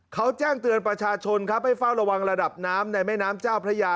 เขาแจ้งเตือนประชาชนครับให้เฝ้าระวังระดับน้ำในแม่น้ำเจ้าพระยา